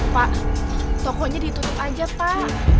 pak tokonya ditutup aja pak